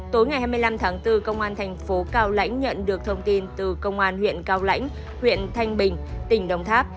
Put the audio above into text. tối ngày hai mươi năm tháng bốn công an thành phố cao lãnh nhận được thông tin từ công an huyện cao lãnh huyện thanh bình tỉnh đồng tháp